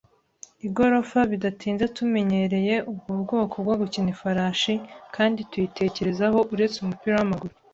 igorofa, bidatinze tumenyereye ubwo bwoko bwo gukina ifarashi kandi tuyitekerezaho uretse umupira wamaguru.